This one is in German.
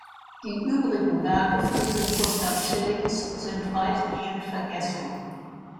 Die übrigen Werke Friedrich Gustav Schillings sind weitgehend vergessen.